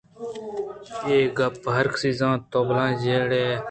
اے گپّ ءَ ہر کس زانت: تو بلاہیں چَلّڑ ئِے